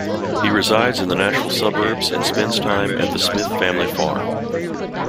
He resides in the Nashville suburbs and spends time at the Smith family farm.